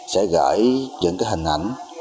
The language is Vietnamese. sẽ gửi những hình ảnh